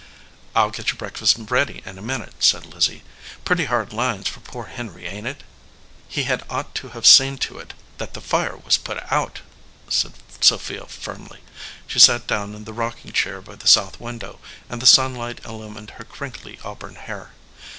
"I ll get your breakfast ready in a minute," said Lizzie. "Pretty hard lines for poor Henry, ain t it?" "He had ought to have seen to it that the fire was put out," said Sophia, firmly. She sat down in the rocking chair by the south window, and the sun light illumined her crinkly auburn hair.